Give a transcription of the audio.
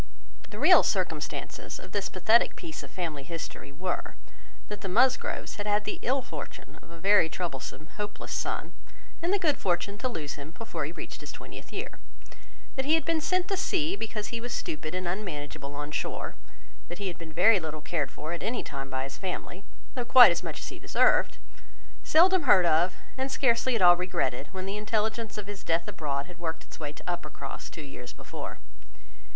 The real circumstances of this pathetic piece of family history were, that the Musgroves had had the ill fortune of a very troublesome, hopeless son; and the good fortune to lose him before he reached his twentieth year; that he had been sent to sea because he was stupid and unmanageable on shore; that he had been very little cared for at any time by his family, though quite as much as he deserved; seldom heard of, and scarcely at all regretted, when the intelligence of his death abroad had worked its way to Uppercross, two years before.